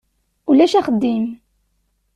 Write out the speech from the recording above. Ulac axeddim.